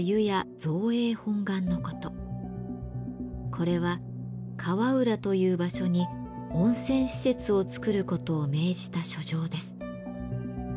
これは「河浦」という場所に温泉施設をつくることを命じた書状です。